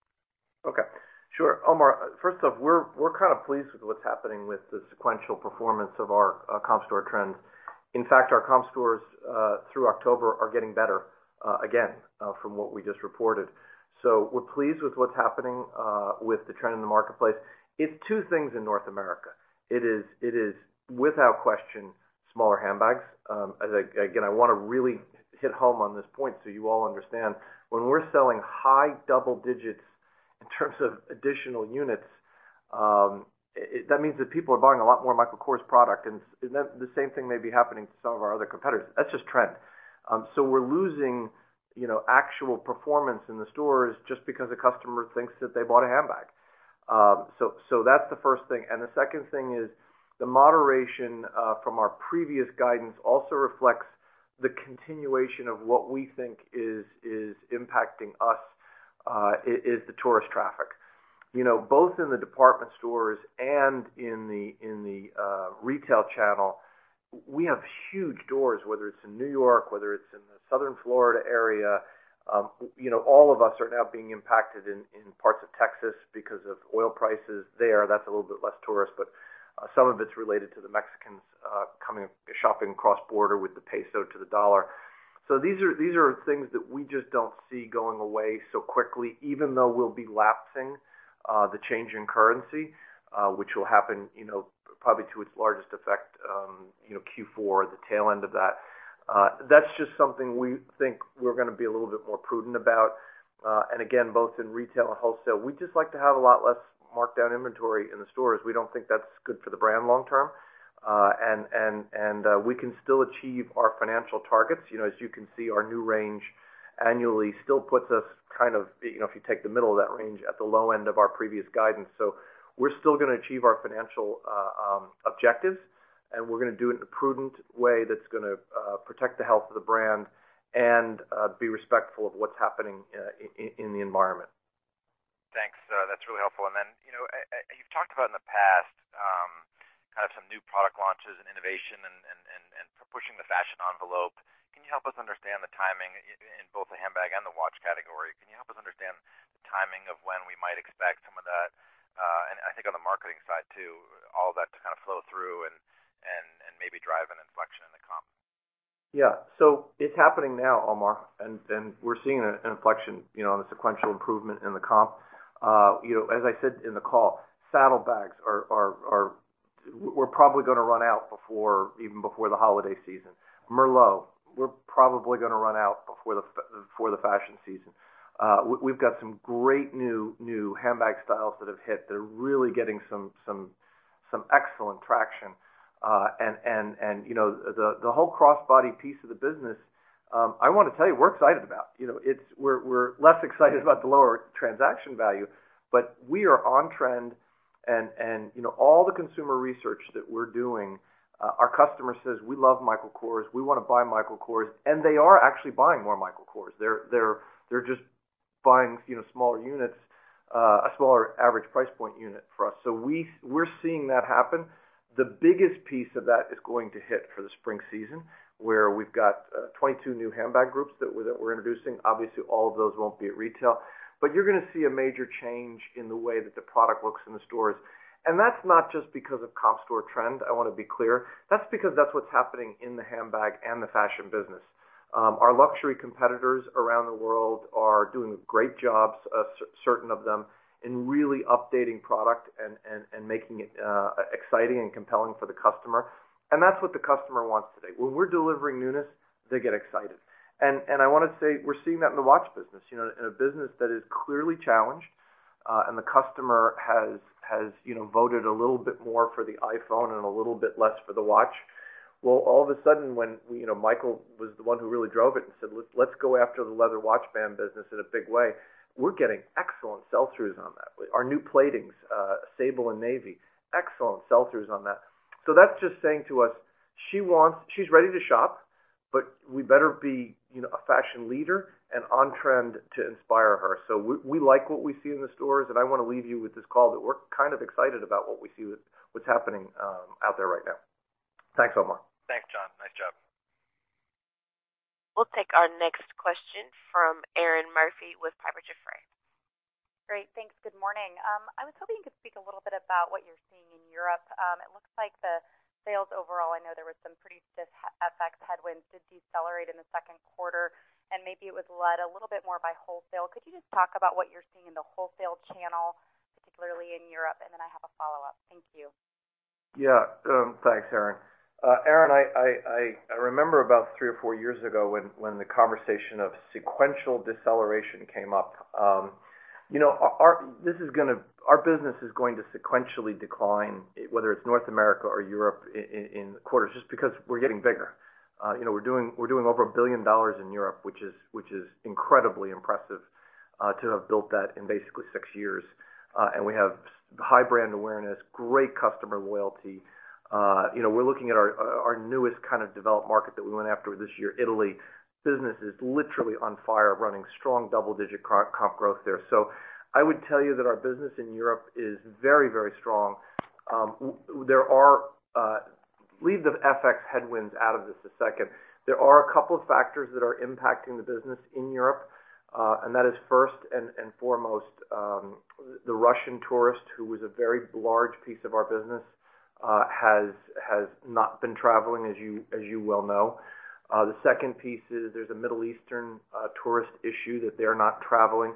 Okay, sure. Omar, first off, we're kind of pleased with what's happening with the sequential performance of our comp store trends. In fact, our comp stores through October are getting better, again, from what we just reported. We're pleased with what's happening with the trend in the marketplace. It's two things in North America. It is, without question, smaller handbags. Again, I want to really hit home on this point so you all understand. When we're selling high double digits in terms of additional units, that means that people are buying a lot more Michael Kors product, and the same thing may be happening to some of our other competitors. That's just trend. We're losing actual performance in the stores just because a customer thinks that they bought a handbag. That's the first thing. The second thing is the moderation from our previous guidance also reflects the continuation of what we think is impacting us is the tourist traffic. Both in the department stores and in the retail channel, we have huge doors, whether it's in New York, whether it's in the Southern Florida area. All of us are now being impacted in parts of Texas because of oil prices there. That's a little bit less tourist, but some of it's related to the Mexicans coming shopping cross border with the peso to the dollar. These are things that we just don't see going away so quickly, even though we'll be lapsing the change in currency which will happen probably to its largest effect Q4, the tail end of that. That's just something we think we're going to be a little bit more prudent about. Again, both in retail and wholesale, we'd just like to have a lot less markdown inventory in the stores. We don't think that's good for the brand long term. We can still achieve our financial targets. As you can see, our new range annually still puts us kind of, if you take the middle of that range, at the low end of our previous guidance. We're still going to achieve our financial objectives, and we're going to do it in a prudent way that's going to protect the health of the brand and be respectful of what's happening in the environment. Thanks. That's really helpful. You've talked about in the past some new product launches and innovation and pushing the fashion envelope. Can you help us understand the timing in both the handbag and the watch category? Can you help us understand the timing of when we might expect some of that? I think on the marketing side too, all that to kind of flow through and maybe drive an inflection in the comp. It's happening now, Omar. We're seeing an inflection on the sequential improvement in the comp. As I said in the call, saddlebags, we're probably going to run out even before the holiday season. Merlot, we're probably going to run out before the fashion season. We've got some great new handbag styles that have hit. They're really getting some excellent traction. The whole crossbody piece of the business, I want to tell you, we're excited about. We're less excited about the lower transaction value, but we are on trend and all the consumer research that we're doing, our customer says, "We love Michael Kors. We want to buy Michael Kors." They are actually buying more Michael Kors. They're just buying smaller units, a smaller average price point unit for us. We're seeing that happen. The biggest piece of that is going to hit for the spring season, where we've got 22 new handbag groups that we're introducing. Obviously, all of those won't be at retail, but you're going to see a major change in the way that the product looks in the stores. That's not just because of comp store trend, I want to be clear. That's because that's what's happening in the handbag and the fashion business. Our luxury competitors around the world are doing great jobs, certain of them, in really updating product and making it exciting and compelling for the customer. That's what the customer wants today. When we're delivering newness, they get excited. I want to say, we're seeing that in the watch business. In a business that is clearly challenged, the customer has voted a little bit more for the iPhone and a little bit less for the watch. All of a sudden, when Michael was the one who really drove it and said, "Let's go after the leather watch band business in a big way," we're getting excellent sell-throughs on that. Our new platings, sable and navy, excellent sell-throughs on that. That's just saying to us, she's ready to shop, but we better be a fashion leader and on trend to inspire her. We like what we see in the stores. I want to leave you with this call, that we're kind of excited about what we see with what's happening out there right now. Thanks, Omar. Thanks, John. Nice job. We'll take our next question from Erinn Murphy with Piper Jaffray. Great. Thanks. Good morning. I was hoping you could speak a little bit about what you're seeing in Europe. It looks like the sales overall, I know there was some pretty stiff FX headwinds to decelerate in the second quarter, and maybe it was led a little bit more by wholesale. Could you just talk about what you're seeing in the wholesale channel, particularly in Europe? I have a follow-up. Thank you. Yeah. Thanks, Erinn. Erinn, I remember about three or four years ago when the conversation of sequential deceleration came up. Our business is going to sequentially decline, whether it's North America or Europe in quarters, just because we're getting bigger. We're doing over $1 billion in Europe, which is incredibly impressive to have built that in basically six years. We have high brand awareness, great customer loyalty. We're looking at our newest developed market that we went after this year, Italy. Business is literally on fire, running strong double-digit comp growth there. I would tell you that our business in Europe is very strong. Leave the FX headwinds out of this a second. There are a couple of factors that are impacting the business in Europe. That is first and foremost, the Russian tourist, who was a very large piece of our business has not been traveling, as you well know. The second piece is there's a Middle Eastern tourist issue that they're not traveling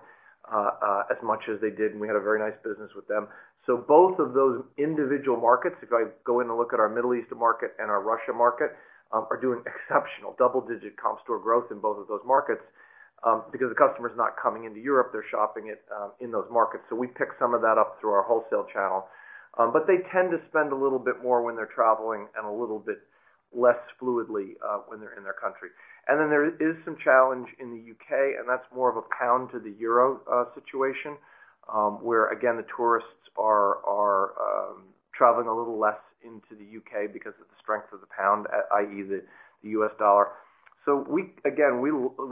as much as they did, and we had a very nice business with them. Both of those individual markets, if I go in and look at our Middle Eastern market and our Russia market, are doing exceptional double-digit comp store growth in both of those markets because the customer's not coming into Europe. They're shopping in those markets. We pick some of that up through our wholesale channel. They tend to spend a little bit more when they're traveling and a little bit less fluidly when they're in their country. There is some challenge in the U.K., and that's more of a pound to the euro situation, where again, the tourists are traveling a little less into the U.K. because of the strength of the pound, i.e. the U.S. dollar. Again, we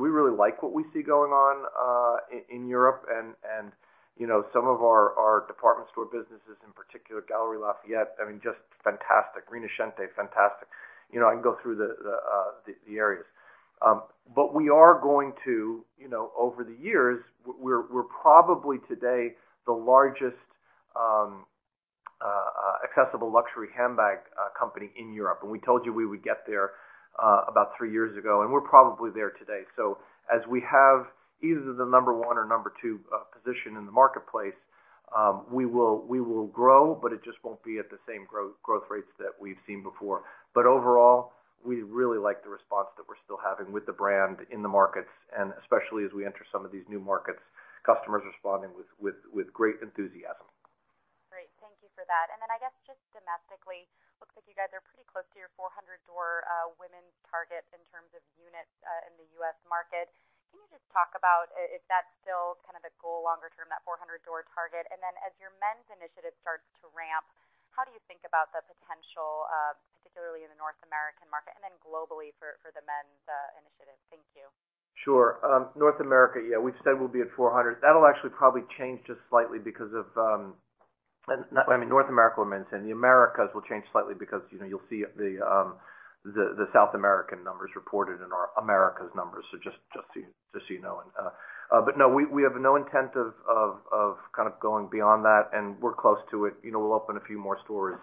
really like what we see going on in Europe and some of our department store businesses, in particular, Galeries Lafayette, just fantastic. Rinascente, fantastic. I can go through the areas. We are going to, over the years, we're probably today the largest accessible luxury handbag company in Europe. We told you we would get there about three years ago, and we're probably there today. As we have either the number one or number two position in the marketplace, we will grow, but it just won't be at the same growth rates that we've seen before. Overall, we really like the response that we're still having with the brand in the markets, and especially as we enter some of these new markets, customers responding with great enthusiasm. Great. Thank you for that. I guess just domestically, looks like you guys are pretty close to your 400 store women's target in terms of units in the U.S. market. Can you just talk about if that's still the goal longer term, that 400 store target? As your men's initiative starts to ramp, how do you think about the potential, particularly in the North American market and then globally for the men's initiative? Thank you. Sure. North America, we've said we'll be at 400. That'll actually probably change just slightly. I mean, North America will maintain. The Americas will change slightly because you'll see the South American numbers reported in our Americas numbers. Just so you know. No, we have no intent of going beyond that, and we're close to it. We'll open a few more stores,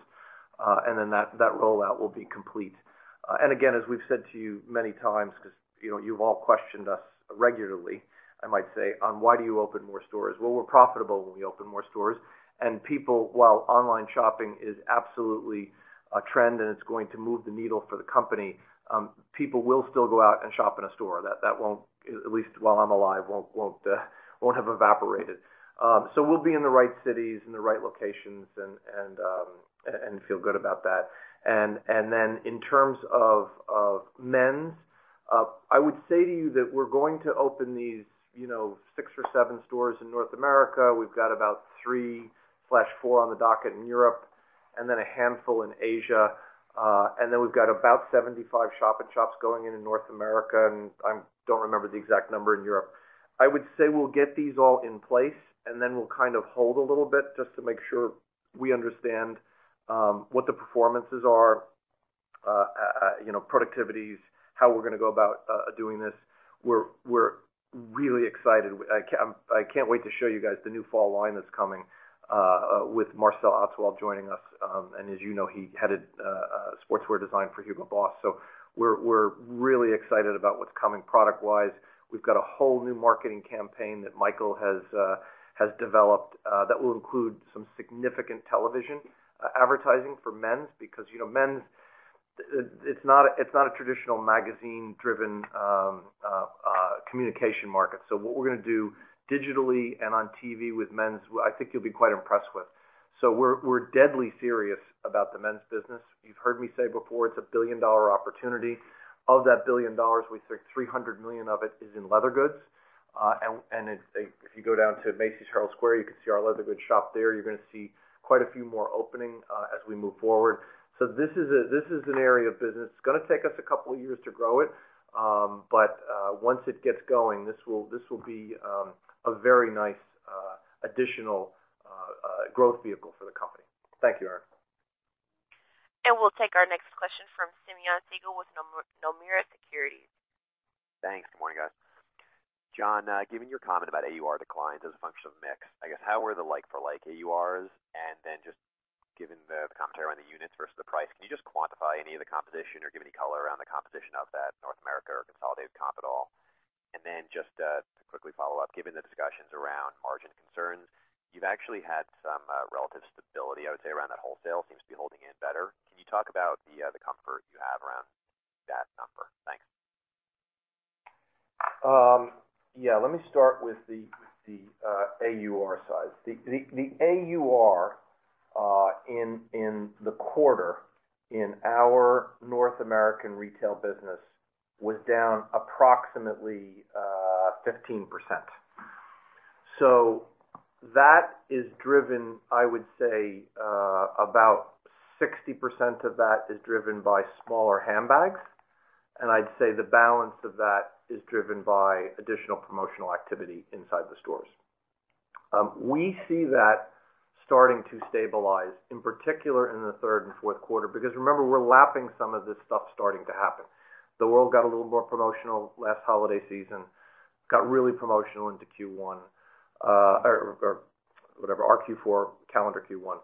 and then that rollout will be complete. Again, as we've said to you many times, because you've all questioned us regularly, I might say, on why do you open more stores. Well, we're profitable when we open more stores, and people, while online shopping is absolutely a trend and it's going to move the needle for the company, people will still go out and shop in a store. That won't, at least while I'm alive, won't have evaporated. We'll be in the right cities, in the right locations and feel good about that. Then in terms of men's, I would say to you that we're going to open these six or seven stores in North America. We've got about three or four on the docket in Europe and then a handful in Asia. Then we've got about 75 shop-in-shops going in in North America, and I don't remember the exact number in Europe. I would say we'll get these all in place, and then we'll hold a little bit just to make sure we understand what the performances are, productivities, how we're going to go about doing this. We're really excited. I can't wait to show you guys the new fall line that's coming with Marcel Ostwald joining us, and as you know, he headed sportswear design for Hugo Boss. We're really excited about what's coming product wise. We've got a whole new marketing campaign that Michael has developed that will include some significant television advertising for men's, because men's, it's not a traditional magazine-driven communication market. What we're going to do digitally and on TV with men's, I think you'll be quite impressed with. We're deadly serious about the men's business. You've heard me say before, it's a billion-dollar opportunity. Of that billion dollars, we think $300 million of it is in leather goods. If you go down to Macy's Herald Square, you can see our leather goods shop there. You're going to see quite a few more opening as we move forward. This is an area of business. It's going to take us a couple of years to grow it. Once it gets going, this will be a very nice additional growth vehicle for the company. Thank you, Erinn. We'll take our next question from Simeon Siegel with Nomura Securities. Thanks. Good morning, guys. John, given your comment about AUR declines as a function of mix, I guess how were the like-for-like AURs? Just given the commentary on the units versus the price, can you just quantify any of the composition or give any color around the composition of that North America or consolidated comp at all? Just to quickly follow up, given the discussions around margin concerns, you've actually had some relative stability, I would say, around that wholesale seems to be holding in better. Can you talk about the comfort you have around that number? Thanks. Let me start with the AUR side. The AUR in the quarter in our North American retail business was down approximately 15%. That is driven, I would say, about 60% of that is driven by smaller handbags, and I'd say the balance of that is driven by additional promotional activity inside the stores. We see that starting to stabilize, in particular in the third and fourth quarter, because remember, we're lapping some of this stuff starting to happen. The world got a little more promotional last holiday season, got really promotional into Q1, or whatever, our Q4, calendar Q1.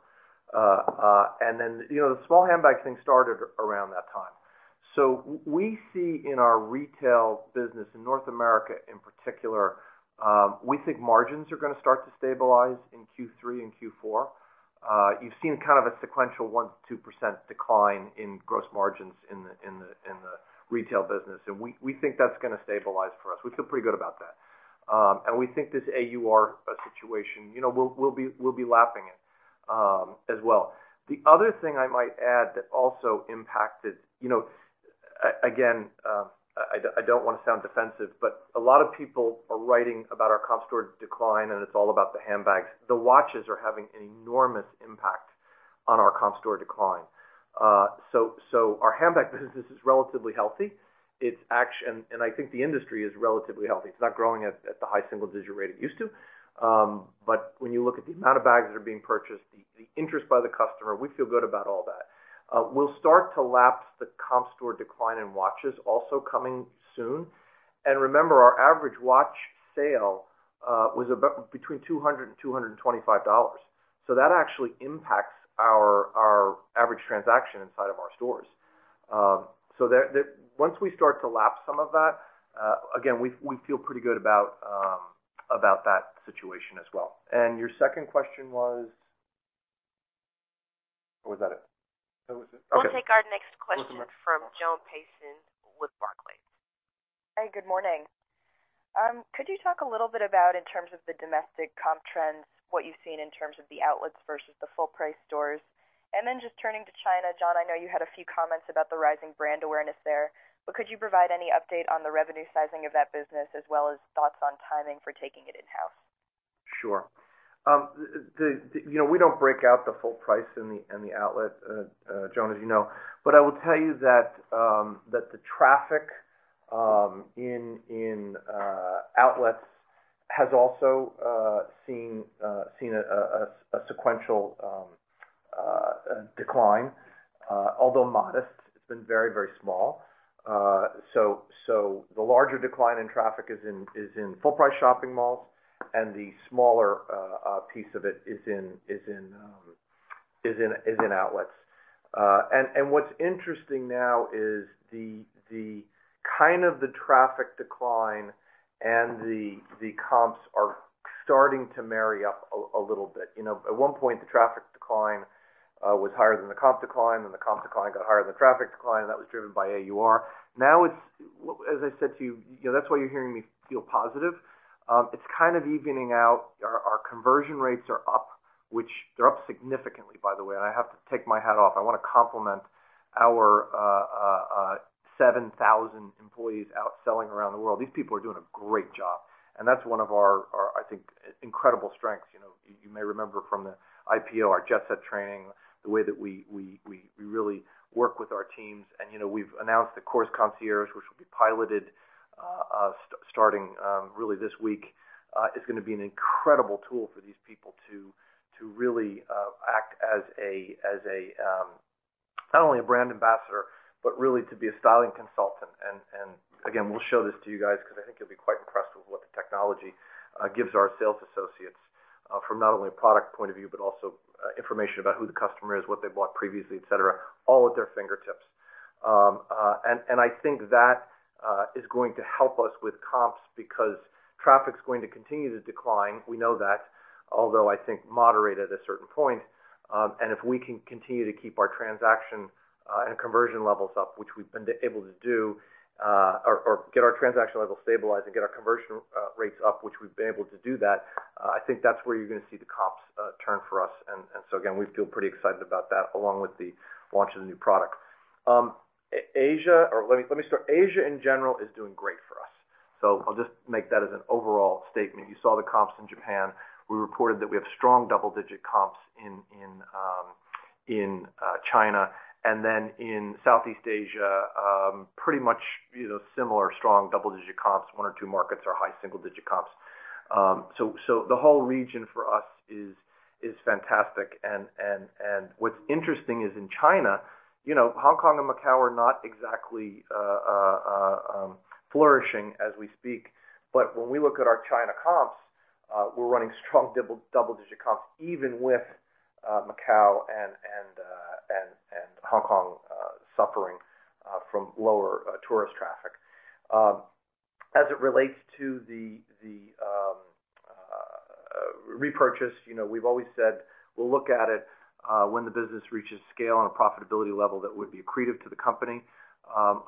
The small handbag thing started around that time. We see in our retail business in North America in particular, we think margins are going to start to stabilize in Q3 and Q4. You've seen a sequential 1%-2% decline in gross margins in the retail business, we think that's going to stabilize for us. We feel pretty good about that. We think this AUR situation, we'll be lapping it as well. The other thing I might add that also impacted. Again, I don't want to sound defensive, but a lot of people are writing about our comp store decline, and it's all about the handbags. The watches are having an enormous impact on our comp store decline. Our handbag business is relatively healthy. I think the industry is relatively healthy. It's not growing at the high single digit rate it used to. When you look at the amount of bags that are being purchased, the interest by the customer, we feel good about all that. We'll start to lap the comp store decline in watches also coming soon. Remember, our average watch sale was between $200 and $225. That actually impacts our average transaction inside of our stores. Once we start to lap some of that, again, we feel pretty good about that situation as well. Your second question was? Or was that it? We'll take our next question from Joan Payson with Barclays. Hey, good morning. Could you talk a little bit about in terms of the domestic comp trends, what you've seen in terms of the outlets versus the full price stores? Just turning to China, John, I know you had a few comments about the rising brand awareness there, but could you provide any update on the revenue sizing of that business as well as thoughts on timing for taking it in-house? Sure. We don't break out the full price in the outlet, Joan, as you know. I will tell you that the traffic in outlets has also seen a sequential decline, although modest. It's been very small. The larger decline in traffic is in full-price shopping malls, and the smaller piece of it is in outlets. What's interesting now is the traffic decline and the comps are starting to marry up a little bit. At one point, the traffic decline was higher than the comp decline, then the comp decline got higher than the traffic decline. That was driven by AUR. As I said to you, that's why you're hearing me feel positive. It's evening out. Our conversion rates are up, they're up significantly, by the way. I have to take my hat off. I want to compliment our 7,000 employees out selling around the world. These people are doing a great job, that's one of our, I think, incredible strengths. You may remember from the IPO, our Jet Set training, the way that we really work with our teams. We've announced the Kors Concierge, which will be piloted starting really this week. It's going to be an incredible tool for these people to really act as not only a brand ambassador, but really to be a styling consultant. Again, we'll show this to you guys because I think you'll be quite impressed with what the technology gives our sales associates from not only a product point of view, but also information about who the customer is, what they've bought previously, et cetera, all at their fingertips. I think that is going to help us with comps because traffic's going to continue to decline. We know that. Although I think moderate at a certain point. If we can continue to keep our transaction and conversion levels up, which we've been able to do or get our transaction level stabilized and get our conversion rates up, which we've been able to do that, I think that's where you're going to see the comps turn for us. Again, we feel pretty excited about that, along with the launch of the new product. Asia in general is doing great for us. I'll just make that as an overall statement. You saw the comps in Japan. We reported that we have strong double-digit comps in China, and then in Southeast Asia, pretty much similar strong double-digit comps. One or two markets are high single-digit comps. The whole region for us is fantastic. What's interesting is in China, Hong Kong and Macau are not exactly flourishing as we speak. When we look at our China comps, we're running strong double-digit comps even with Macau and Hong Kong suffering from lower tourist traffic. As it relates to the repurchase, we've always said we'll look at it when the business reaches scale on a profitability level that would be accretive to the company.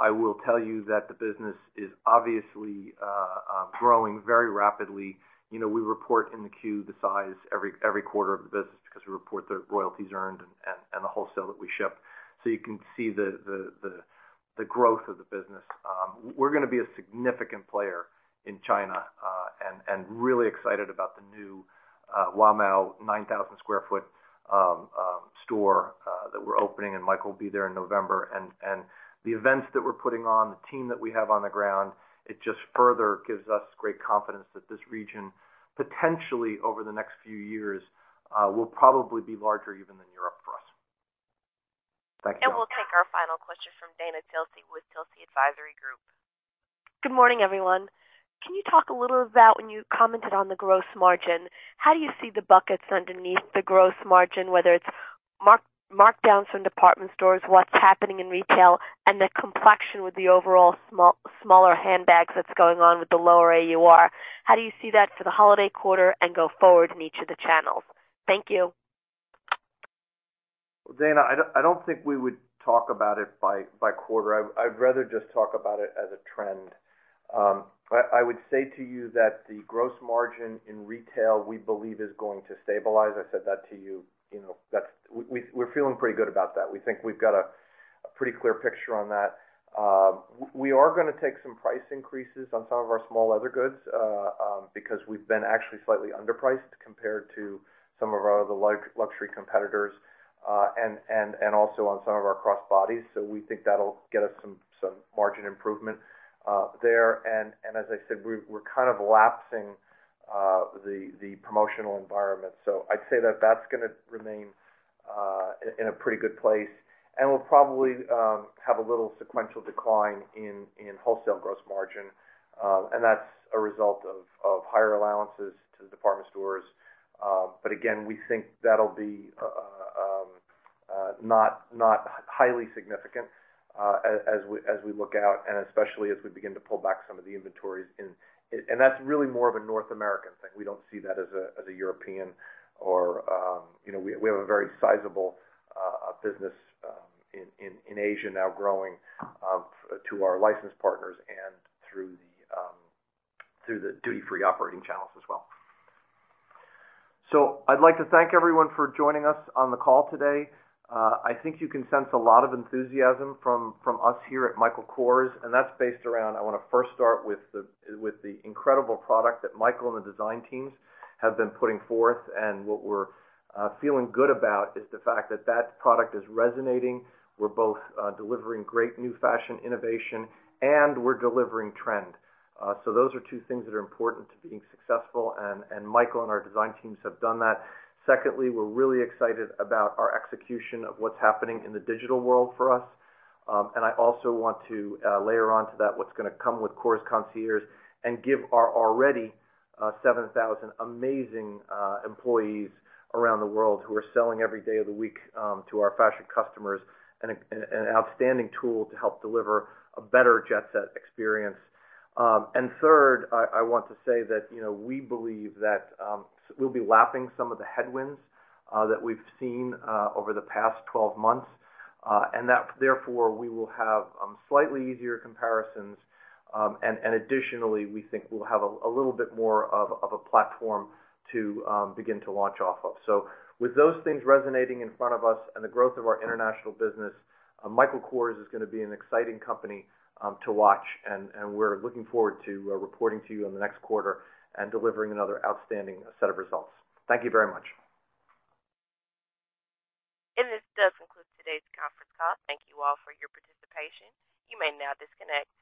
I will tell you that the business is obviously growing very rapidly. We report in the Q the size every quarter of the business because we report the royalties earned and the wholesale that we ship. You can see the growth of the business. We're going to be a significant player in China and really excited about the new Guomao 9,000 sq ft store that we're opening, and Michael will be there in November. The events that we're putting on, the team that we have on the ground, it just further gives us great confidence that this region, potentially over the next few years, will probably be larger even than Europe for us. Thank you. We'll take our final question from Dana Telsey with Telsey Advisory Group. Good morning, everyone. Can you talk a little about when you commented on the gross margin, how do you see the buckets underneath the gross margin, whether it's markdowns from department stores, what's happening in retail, and the complexion with the overall smaller handbags that's going on with the lower AUR? How do you see that for the holiday quarter and go forward in each of the channels? Thank you. Dana, I don't think we would talk about it by quarter. I'd rather just talk about it as a trend. I would say to you that the gross margin in retail, we believe, is going to stabilize. I said that to you. We're feeling pretty good about that. We think we've got a pretty clear picture on that. We are going to take some price increases on some of our small leather goods because we've been actually slightly underpriced compared to some of our other luxury competitors, and also on some of our crossbodies. We think that'll get us some margin improvement there. As I said, we're kind of lapsing the promotional environment. I'd say that that's going to remain in a pretty good place, and we'll probably have a little sequential decline in wholesale gross margin. That's a result of higher allowances to the department stores. Again, we think that'll be not highly significant as we look out and especially as we begin to pull back some of the inventories. That's really more of a North American thing. We don't see that as a European. We have a very sizable business in Asia now growing to our license partners and through the duty-free operating channels as well. I'd like to thank everyone for joining us on the call today. I think you can sense a lot of enthusiasm from us here at Michael Kors, and that's based around, I want to first start with the incredible product that Michael and the design teams have been putting forth. What we're feeling good about is the fact that that product is resonating. We're both delivering great new fashion innovation and we're delivering trend. Those are two things that are important to being successful, and Michael and our design teams have done that. Secondly, we're really excited about our execution of what's happening in the digital world for us. I also want to layer on to that what's going to come with Kors Concierge and give our already 7,000 amazing employees around the world who are selling every day of the week to our fashion customers an outstanding tool to help deliver a better Jet Set experience. Third, I want to say that we believe that we'll be lapping some of the headwinds that we've seen over the past 12 months. Therefore, we will have slightly easier comparisons. Additionally, we think we'll have a little bit more of a platform to begin to launch off of. With those things resonating in front of us and the growth of our international business, Michael Kors is going to be an exciting company to watch, and we're looking forward to reporting to you in the next quarter and delivering another outstanding set of results. Thank you very much. This does conclude today's conference call. Thank you all for your participation. You may now disconnect.